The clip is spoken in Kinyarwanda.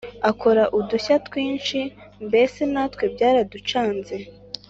akora udushya twinshi mbese natwe byaraducanze